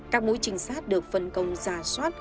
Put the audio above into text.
các mối trình xác được phân công giả soát